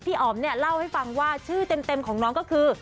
อ๋อมเนี่ยเล่าให้ฟังว่าชื่อเต็มของน้องก็คือ